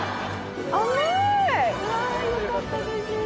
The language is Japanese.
うわよかったです。